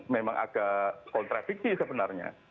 memang agak kontrafiksi sebenarnya